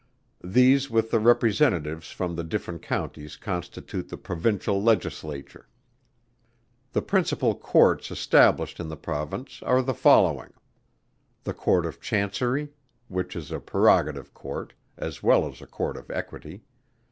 These with the representatives from the different Counties constitute the Provincial Legislature. The principal Courts established in the Province are the following. The Court of Chancery, which is a Prerogative Court, as well as a Court of Equity.